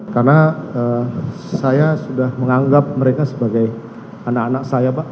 karena saya sudah menganggap mereka sebagai anak anak saya pak